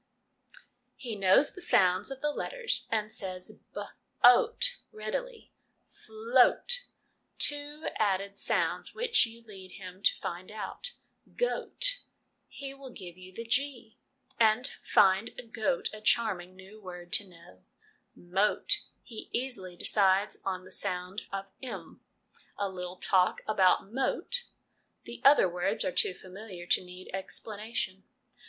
He knows the sounds of the letters, and says b oat readily ; fl oat, two added sounds, which you lead him to find out ; g oat, he will give you the g t and find goat a charming new word to know ; m oat, he easily decides on the sound of m ; a little talk about moat ; the other words are too familiar to need explanation.